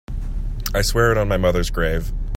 I swear it on my mother's grave.